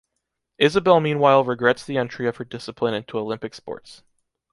Isabelle meanwhile regrets the entry of her discipline into Olympic sports.